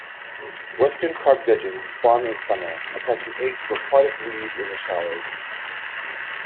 Western carp gudgeons spawn in summer, attaching eggs to aquatic weed in the shallows.